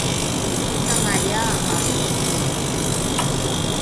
olangai aamae o ’idha